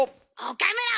岡村！